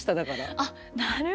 あっなるほど。